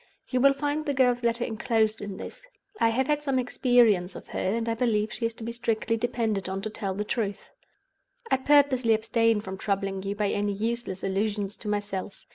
You will find the girl's letter inclosed in this. I have had some experience of her; and I believe she is to be strictly depended on to tell the truth. "I purposely abstain from troubling you by any useless allusions to myself.